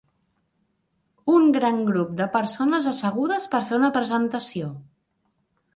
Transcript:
Un gran grup de persones assegudes per fer una presentació.